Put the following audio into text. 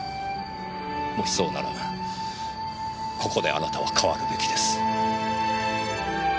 もしそうならここであなたは変わるべきです。